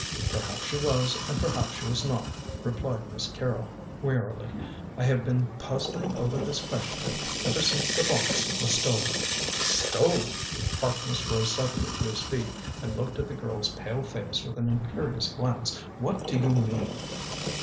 "Perhaps she was and perhaps she was not," replied Miss Carrol wearily. "I have been puzzling over the question ever since the box was stolen." "Stolen!" Harkness rose suddenly to his feet and looked at the girl's pale face with an imperious glance. "What do you mean?"